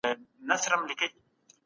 مالي ګټې کولی سی د څېړنې ارزښت راټیټ کړي.